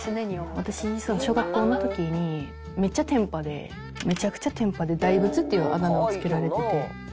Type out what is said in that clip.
私実は小学校の時にめっちゃ天パでめちゃくちゃ天パで「大仏」っていうあだ名を付けられてて。